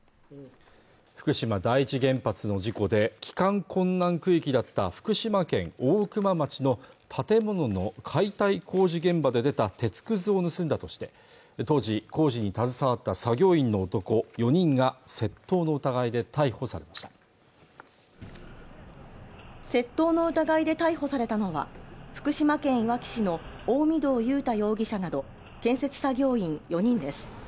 福島第一原発の事故で帰還困難区域だった福島県大熊町の建物の解体工事現場で出た鉄くずを盗んだとして当時工事に携わった作業員の男４人が窃盗の疑いで逮捕されました窃盗の疑いで逮捕されたのは福島県いわき市の大御堂雄太容疑者など建設作業員４人です